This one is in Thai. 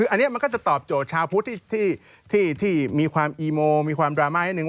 อันนี้ก็จะตอบโจทย์ชาวพุทธที่มีความอีโมเกงมีความดรามาให้นึง